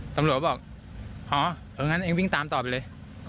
ทำหรือบอกหรออย่างนั้นเอิงวิ่งตามต่อไปเลย